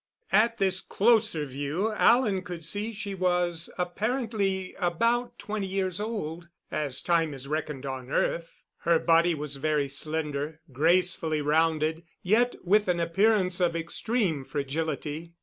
At this closer view Alan could see she was apparently about twenty years old, as time is reckoned on earth. Her body was very slender, gracefully rounded, yet with an appearance of extreme fragility.